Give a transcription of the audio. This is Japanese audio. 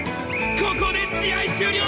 ここで試合終了！